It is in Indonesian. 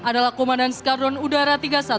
adalah komandan skadron udara tiga puluh satu